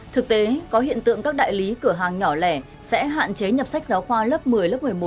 thực tế có hiện tượng các đại lý cửa hàng nhỏ lẻ sẽ hạn chế nhập sách giáo khoa lớp một mươi lớp một mươi một